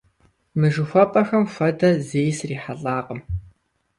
А жыхуэпӀэхэм хуэдэ зэи срихьэлӀакъым.